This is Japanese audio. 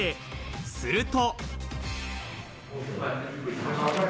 すると。